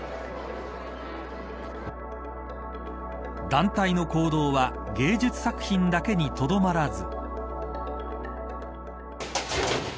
団体の行動は芸術作品だけにとどまらず。